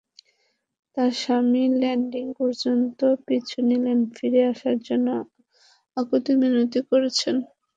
তাঁর স্বামী ল্যান্ডিং পর্যন্ত পিছু নিলেন, ফিরে আসার জন্য কাকুতি-মিনতি করছেন।